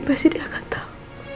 pasti dia akan tau